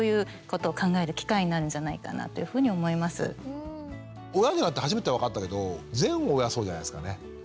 だからこそ親になって初めて分かったけど全親そうじゃないですかね。